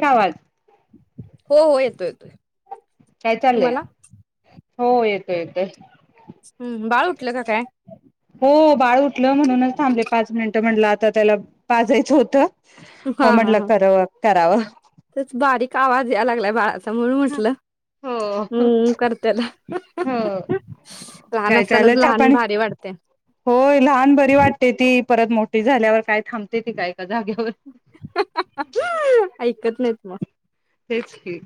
काय आवाज. हो हो येतो येतोय. काय चाललंय? तुम्हाला हो येतो येतोय. हम्म बाळ उठलं का काय? हो बाळ उठलं म्हणूनच थांबले पाच मिनिट म्हटलं आता त्याला पाजायचं होतं. हा हो हा म्हटलं हा कराव करावं. तेच बारीक आवाज या लागलाय बाळाचा. म्हणून म्हटलं हो हम्म करतेल. हो काय असतानाच झालं चहा लहान पाणी? भारी वाटते होय लहान बरी वाटते ती. परत मोठी झाल्यावर काय थांबते ती काय. जाग्यावर ऐकत नाहीत मग तेच की,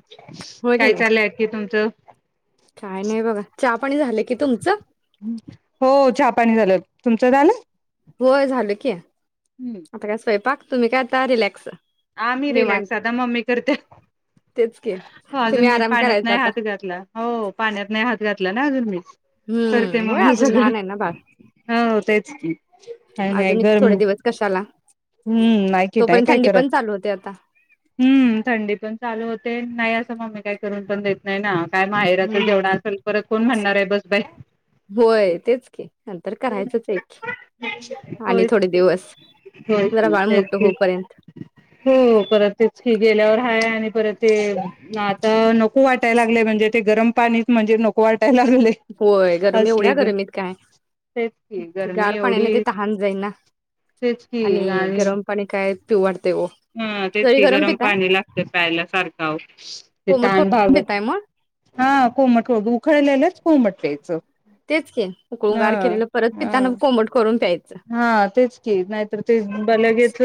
होय की काय नाही चालय आणखी तुमचं? काय नाही बघा चहा पाणी झाले की तुमचं? हो चहापाणी झालं. तुमचं झालं? होय झालं की. हम्म आता काय स्वयंपाक? तुम्ही काय आता रिलॅक्स. हा मी रिलॅक्स निवांत आता मम्मी करते. तेच की अजून तुम्ही मी आराम पाण्यात करायचा नाही आता हात घातला हो पाण्यात नाही हात घातला ना अजून मी करते हम्म होय मम्मी अजून सगळ लहान आहे ना बाळ हो ते [unintelligible] अजून एक थोडे दिवस कशाला? हम्म नाही कि नाही तोपर्यंत काय थंडी करत पण चालू होते आता हम्म थंडी पण चालू होते नाही. मम्मी काय करून पण देत नाही ना, काय माहेराच जेवढा हम्म असेल परत कोण म्हणणार आहे बस बाई होय तेचकी नंतर करायचंच आहे कीआणि थोडे दिवस. हु हु जरा हो बाळ मोठं तेचकी होऊपर्यंत हो परत तेचकी गेल्यावर हाय आणि परत ते आता नको वाटायला लागले म्हणजे ते गरम पाणीत म्हणजे नको वाट होय गरमी एवढ्या गरमीत काय तेच की गरमी गार पाण्याने ते एवढी तहान जाई ना. आणि [unintelligible] गरम पाणी काय पिऊ वाटते हो हम्म तेत जरी ते गरम पिताय पाणी लागतं प्यायला सारख औव ते कोमट तहान करून भागत पिताय मग ह कोमट उखळलेलच कोमट प्यायच. तेच के उकळूनं गार केलेलं परत हा. पिताना कोमट करून प्याय- हा तेच की नाहीतर ते बलगेत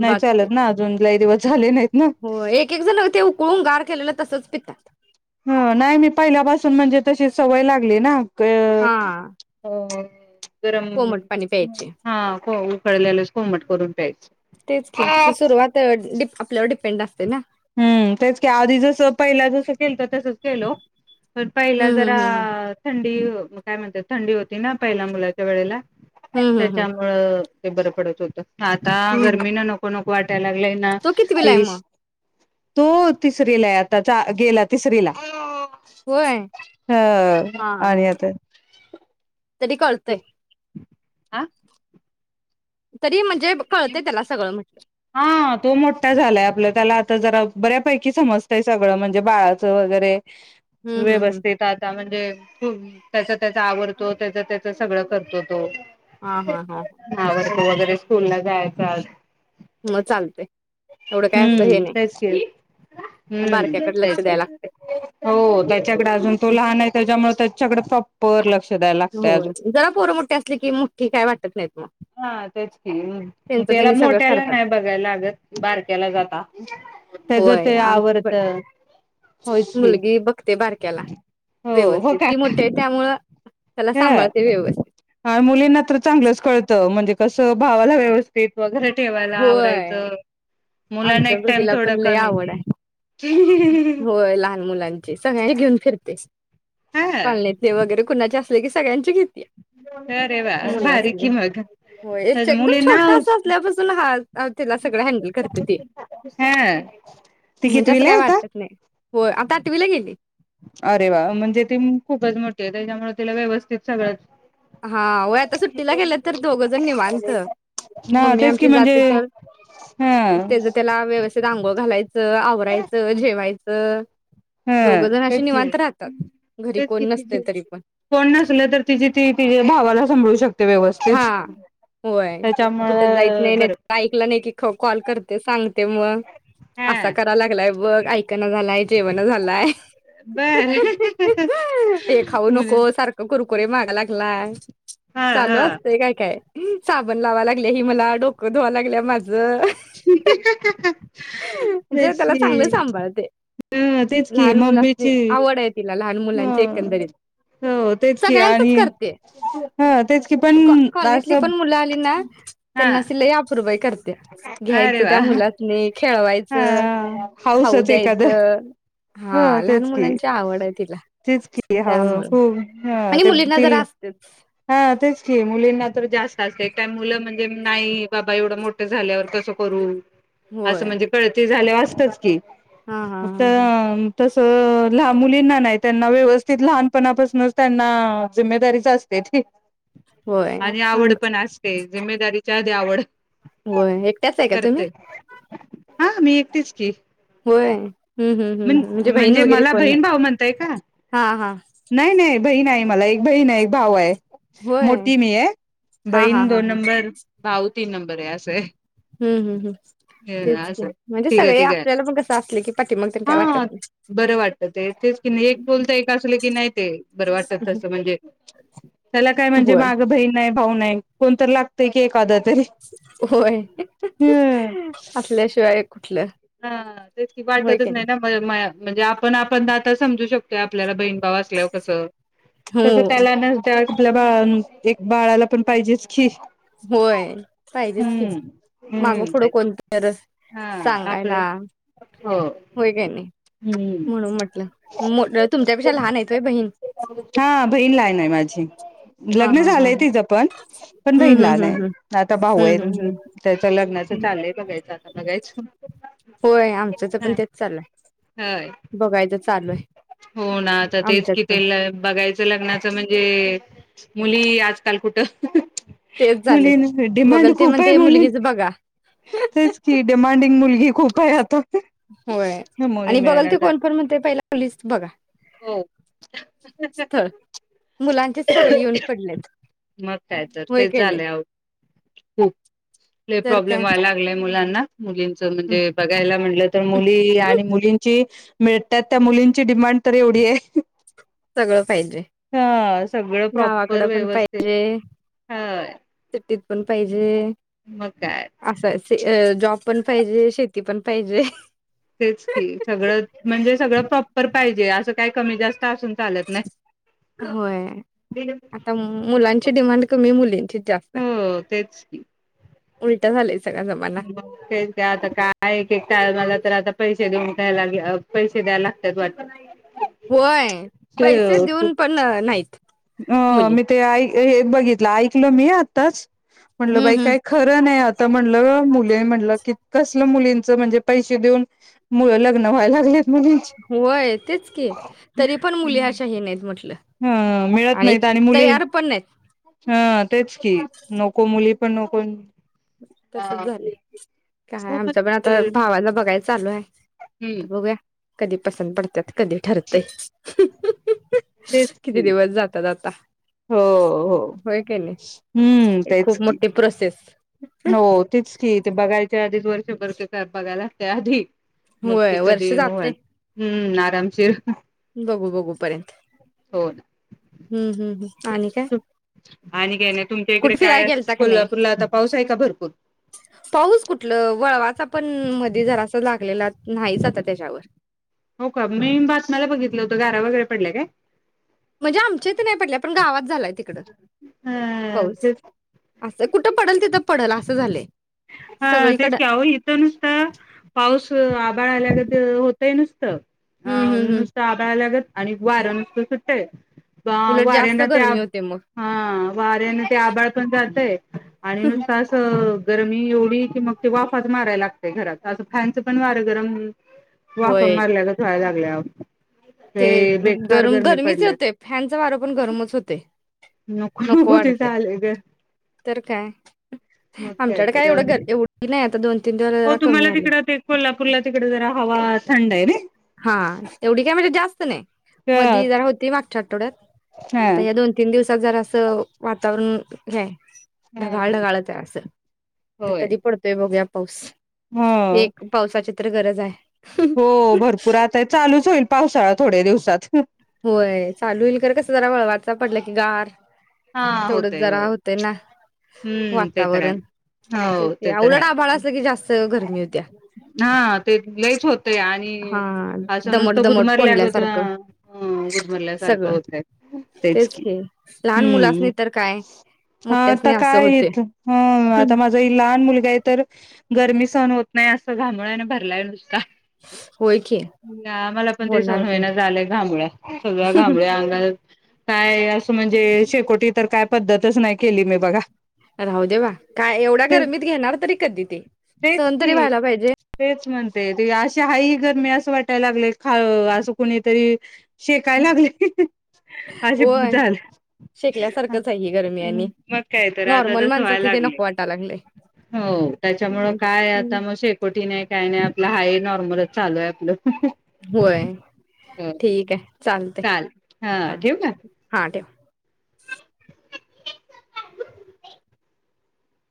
नाही बात चालत ना अजून. लय दिवस झाले नाहीत. ना. हो एक एक जण ते उकळून गार केलेलं तसच पित. ह नाही मी पहिल्यापासून म्हणजे तशी सवय लागली ना, हा. अ गरम कोमट पाणी प्यायचे हा खो पहील्या नेच कोमट करून प्यायचं. तेच की सुरुवात अ डिप आपल्यावर डिप पिंड असते ना? हम्म, तेच की आधी जसं पहिला जसं केलतं तसच केलं हो. प पहिला हम्म जरा हम्म हम्म थंडी हो काय म्हणतात थंडी होती ना पहिल्या मुलाच्या वेळेला. हम्म हम्म हम्म त्याच्यामुळं ते बरं पडत होतं. आता हम्म हम्म गरमी न नको नको त्या लागलाय ना तो कितवीला आहे मग तीस् तो, तिसरीला आय आता चा गेला तिसरी ला. होय हां हा आणि आता. कळतय. आं. तरी म्हण् हां तो मोट्टा झालाय आपलं त्याला तर जरा बऱ्यापैकी समजतंय सगळं म्हणजे बाळाचं वगैरे हम्म हम् हम् व्यवस्थित आता म्हणजे त्याचा, त्याचा आवरतो त्याचा, त्याच सगळं करतो तो हा, हा, हा हो वगैरे स्कूलला जायाच आज म चालतय एवढं काय असं हे हम्म नाही तेच के मग हम्म बारक्याकडे तेच लक्ष की. द्यायला लागतय हो त्याच्याकडं पर लक्ष् हो, जरा पोरं मोठ्ठी असली की मुठ्ठी काय वाटत नाहीत मग हां तेच त्यांचं तेला त्यांनी सगळं मोठ्याला करतात नाही बघाय लागत बारक्याला जाता त्याजं होय ते आमचं पण आवरतं होयच कि मुलगी बघते बारक्याला हो, हो व्यवस्थित का ती मोठी आहे त्यामुळं त्याला अ, सांभाळते व्यवस्थित अं मुलींना तर चांगलंच कळतं म्हणजे कसं भावाला व्यवस्थित वगैरे ठेवायला होय आवरायचं मुलांना आमच्या एक टाइम भगीला पण थोडं लय कमी आवड आय, होय लहान मुलांची सगळ्यां घेऊन फिरते हा [inaudible] कॉलनीतली वगैरे कुणाचे असले की सगळ्यांची घीत अरे वा भारी मुलास्नी की मग एच एकदम मुलींना छोटा असल्यापासून हाल अं तीला सगळं हँडल कर हा ती म्हणजे असं कितवीला काय हाय आता? वाटत नाही. होय आता आठवीला गेली अरे वा म्हणजे ती मू खूपच मोठी आहे त्याच्यामुळे तिला व्यवस्थित सगळंच हा वय आता सुट्टीला गेलं तर दोघं जण निवांत हा मम्मी तेच की आमची म्हणजे जाते तर हा तेज त्याला व्यवस्थित आता आंघोळ घालाय त आवरायचं जेवायचं ह दोघ जण असे तेच की निवांत राहतात. घरी तेच कोण की नसते तिची तरी पण कोण नसले तर तिजी ती तिच्या भावाला सांभाळू शकते हा व्यवस्थित होय. त्याच्यामुंळ कुठं जायच नाही नाही बर तेव्हा हा असा करा लागलाय बघ ऐकण झालाय जेवण, झालाय ह, ह, ह, बर ह, ह ते खाऊ मुलं नको, सारखं कुरकुरे मागा लाग हा हा चालू हा असतेय काय काय साबण लावाय लागल्या हि मला डोकं धुवा लागल्या माझ हा, हा, हा, हा आ म्हणजे तेच त्याला की, चांगलं सांभाळते. तेच हा की लहान मुलाची मम्मीची आवड आहे तिला लहान ह मुलांची एकंदरीत हो तेच की आणि हा तेच की पण ते कॉ कॉलनीतली असं पण मुलं आली ना, हा त्यांना असं लय अप्रूप हाय कर अरे घ्यायचं वा त्या मुलासनी खेळा हा खायचं खाऊ द्यायचं हा लहान तेच की मुलांची आवड आहे तिला तेच की हळू हळू त्यामुळं खूप हा आणि ती मुलींना तील जरा असतेच हा तेच की, मुलींना तर जास्त असते, एक टाईम मुलं म्हणजे नाही बाबा एवढं मोठं झाल्यावर कसं करू असं होय. म्हणजे कळती झाल्यावर अस तेच की, हा हा त हा हा मं तसं लान मुलींना नाय त्यांना व्यवस्थित लहानपणापासनच त्यांना जिम्मेदारीच अस तेथे होय आणि आवड अंग पण असते, जिम्मेदारी च्या आधी आवड होय एकट्याच हाय का तुम्ही करते हा मी एकटीच की, होय हम्म हम्म हम्म म्हण हम्म बहीण म्हणजे वगैरे मला कोण बहीण नाही भाऊ म्हणताय का, हा हा नाही नाही बहीण आहे. मला एक बहीण हाय भाव आहे. होय मोठी मी आहे, हा हा बहीण हा दोन हा नंबर भाऊ तीन नंबर आहे असंय हम्म हम्म हम्म तेच अ की असं म्हणजे ठीक ये सगळे ठीक ये, आपल्याला पण कसं असले की पाठी मग काय वाटत हा नाही बरं वाटत ते तेच की नाही एक कुलत एक असले की नाही ते बरं वाटत तसं म्हणजे त्याला काय म्हणजे होय माग बहीण नाय भाऊ नाही कोणतर लागतय की एक - होय ह असल्याशिवाय कुठलं हा तेच की वाटतच नाही ना मं मा हा म्हणजे आपण आपण आता समजू शक की आपल्याला बहीण भाव असल्यावर कस तस हो त्याला न जास् आपल बाळ एक बाळाला पण पाहिजेच की होय पाहिजेच की हम्म माग पुढं हम्म कोणतर हा सांगाय आपलं ला हो हुं म्हणून म्हटलं मो तुमच्यापेक्षा लहान आहेत होय बहीण हा बहीण लहान आहे माझी हा लग्न हा हा झालंय हा तीच पण पण बहीण हम्म हम्म लहान आहे. हम्म आता भाऊ हम्म हम्म आहे. हम्म त्याच लग्नाच हम्म चाललंय बघायच आता बघायच होय आमच्याच पण तेच चालूय होय बघायचं चालू आहे. हो ना आता तेच आमच्यात कि ते पण ल बघायचं लग्नाचं म्हणजे- मुली आजकाल कुठं. तेच झालंय मुलीन डिमांड बघल ते खूप आहे म्हणते मुलीन मुलगीच बघा तेच की डमांडिंग मुलगी- खूप आहे आता होय न मुली मुलांना झाल्यात. मुलीचं बघा स्थळ मुलांचेच सगळे येऊन पडलेत मग काय तर व्हय तेच कणी झालंय खूप लय तर प्रॉब्लेम काय. व्हायला लागलाय मुलांना- मुलींच म्हणजे बघायला म्हटलं तर मुली आणि मुलींची- मिळतात. त्या मुलींची डिमांड तर एवढी आहे- सगळं पाहिजे, ह सगळं गावाकड प्रॉपर पण व्यवस्थित पाहिजे, ह सिटीत पण पाहिजे, मग काय असं जॉब पण- पाहिजे, शेती पण पाहिजे. तेच की सगळं म्हणजे सगळं प्रॉपर पाहिजे असं काय कमी जास्त असून - होय आता मुलांची डिमांड कमी मुलींची जास्त आहे. हो उलट झालेय. तर काय आता काय एकेक - मला तर आता पैसे देऊन पैसे द्याय लागतात वाटत. होय ते पैसे देऊन पण नाहीत. अ मुली. मी ते आई- हेच बघितलं ऐकलं मी आत्ताच- म्हणलं हम्म बाई हम्म. काय खरं नाही आ. आता म्हणलं मुलीय म्हणलं की कसलं मुलींच म्हणजे पैसे देऊन मुल लग्न व्हायला लागले. होय तेच की तरी पण मुली अशा हे नाहीत म्हटलं. हां मिळत नाहीत आणि मुली तयार पण नाहीत हा तेच की नको मुली [unintelligible] तसच हा झाले काय आमच खूपच पण आता म्हणजे भावांना बघाय चालू आहे हम्म आता बघूया. कधी पसंत पडत्यात. कधी ठरतय. तेच [inaudible] किती की दिवस जाता जाता हो हो हम्म एक तेच खूप की. मोठी प्रोसेस. हो तेच की. ते बघायच्या आधीच वर्षभरचे का बघायला त्या आधी मग ते व्हयं वर्ष कधी जातयं. होईल हम्म आरामशीर. बघू बघू पर्यंत - हो - ना हम्म हम्म हम्म आणि काय? आणि काय नाई. तुमच्या इकडे कुठ फिराय काय गेलता का नाही? कोल्हापूरला आता पाऊस आहे का भरपूर पाऊस कुठलं वळवाचा पण मधी जरास लागलेला. नाहीच आता तेज्यावरं. हो का मी बातम्याला बघितलं होतं गारा वगैरे पडल्या काय? म्हणजे आमच्या इथ नाही पडल्या पण गावात झालाय तिकड हा पाऊस तेच असं कुठं पडल तिथं पडल असं झालंय हा तेच सगळीकडं - - की अहो इथं नुसतं ते नुस त - - अ नुसत आभाळ आल्यागत आणि वारं नुसतं सुटतय उलट वाऱ्यांन जास्त ते आब गरमी होते मग हा वाऱ्यान ते आबाळ पण जातय आणि नुसत असं - - गरमी एवढी की मग ते वाफाच माराय लागतय घरात असं फॅनचं पण वारं गरम - - वाफ - - होय मारल्यागत व्हाय लाग - - [inaudible] ते गरम गरमीच पडल्या होते फॅनच वारं पण गरमच होतय नको ते वाटतयं झालंय ग. तर काय मग आमच्याकडे काय तर एवढं एवढी नाय आता दोन तीन दिवस हो जरा कमी तुम्हाला आल्या. तिकडं ते कोल्हापूरला तिकडे जरा हवा थंड आहे ना हा तेवढी काय म्हणजे तसं नाही. हा मधी जरा होती मागच्या आ - - ठवड्यात. हा आता या दोन तीन दिवस आता जरास वातावरण हे हाय. ढगाळ हा ढगाळच हाय असं आता होय कधी पडतोय बघुया त. पाऊस. ह एक पावसाची तर गरज आहे. हो. भरपूर आता हे चालूच होईल पावसाळा थोड्या दिवसात. होय चालू होईल खरं कसं जरा वळवाचा पडलं की गार हा तेवढंच होतय जरा होय होतंय ना. हम्म ते तर वातावरण आहे तेच हो ते तर उलट आभाळा आहे असल कि जास्त गरमी होत्या. हा ते लईच होत तय हा आणि असं नुसत दमट दमट गुदमरल्या गत आ कोंडल्यासारखं अं गुदमरल्यासारखं सगळं होतय तेच की लहान हुं मुलासनी तर काय हा त मोठ्यासनी असं काय होते. इथं हुं आता माझा ही लहान मुलगा आहे तर गर्मी स सहन होत नाय असं घामोळ्यांन भरलाय नुसता. होय की नाय आम्हाला पण ते होणार सहन की होईना झालंय घामोळ्या सगळ्या घामोळ्या अंगाला काय असं म्हणजे शेकोटी तर काय पद्धतच नाय केली मी बघा राहूदे बा काय एवढा गरमीत घेणार तरी कधी ते तेच सहन तरी की व्हायला पाहिजे. तेच म्हणते ते अशी हाई ही गरमी असं वाटायला लागले खा अ असं कुणीतरी शेकाय लागले असे होय झालं शेकल्यासारखंच आहे ही गरमी आणि मग काय तर आता नॉर्मल तस व्हायला माणसासनी ते लागलय नको वाटाय लागलंय. हो त्याच्यामुळ आम- काय आता मग शेकोटी नाय काय नाय न्हाई नॉर्मलच चालू आहे आपलं. होय ठीक आहे चालतंय चाल हा ठेवू का? हा ठेवा.